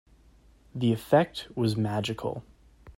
The effect was magical.